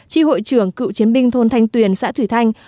tri hội trưởng cựu chiến binh thôn thanh tuyền xã thủy thanh